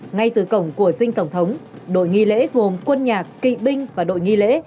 ngay từ cổng của dinh tổng thống đội nghi lễ gồm quân nhạc kỳ binh và đội nghi lễ